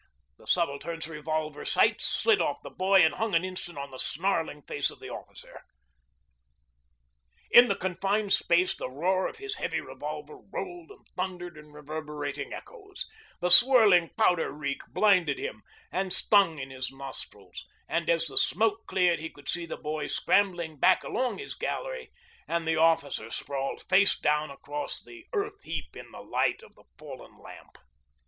The Subaltern's revolver sights slid off the boy and hung an instant on the snarling face of the officer. ... In the confined space the roar of his heavy revolver rolled and thundered in reverberating echoes, the swirling powder reek blinded him and stung in his nostrils; and as the smoke cleared he could see the boy scrambling back along his gallery and the officer sprawled face down across the earth heap in the light of the fallen lamp.